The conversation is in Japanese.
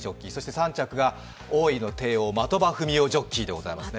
３着が大井の帝王・的場ジョッキーです。